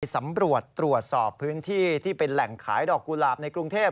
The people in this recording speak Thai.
สำรวจตรวจสอบพื้นที่ที่เป็นแหล่งขายดอกกุหลาบในกรุงเทพ